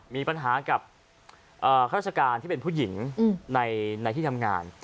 มีปัญหากับข้าราชการที่เป็นผู้หญิงในที่ทำงาน